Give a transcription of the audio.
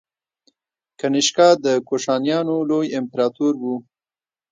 کنیشکا د کوشانیانو لوی امپراتور و